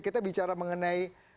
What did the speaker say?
kita bicara mengenai